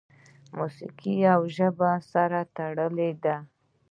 موسیقي او ژبه سره تړلي دي.